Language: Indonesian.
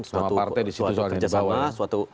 suatu kerjasama suatu